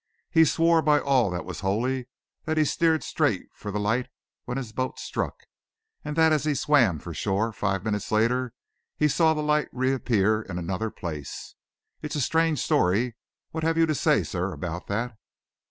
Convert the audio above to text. He swore by all that was holy that he steered straight for the light when his boat struck, and that as he swam for shore, five minutes later, he saw the light reappear in another place. It's a strange story. What have you to say, sir, about that?"